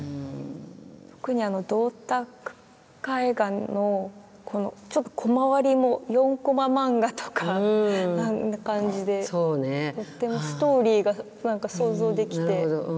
特に銅鐸絵画のこのちょっとコマ割りも４コマ漫画とかあんな感じでとってもストーリーが何か想像できて。